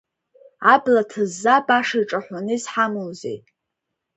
Абла ҭызза баша иҿаҳәаны изҳамоузеи…